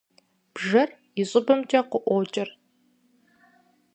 Бжэр и щӏыбымкӏэ къыӏуокӏыр.